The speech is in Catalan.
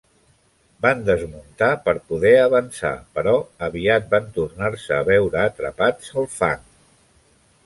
Van desmuntar per poder avançar, però aviat van tornar-se a veure atrapats al fang.